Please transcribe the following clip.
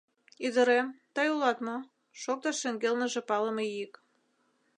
— Ӱдырем, тый улат мо? — шоктыш шеҥгелныже палыме йӱк.